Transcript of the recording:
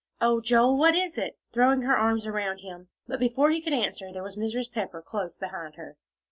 "Oh, Joel, what is it?" throwing her arms around him. But before he could answer, there was Mrs. Pepper close behind her.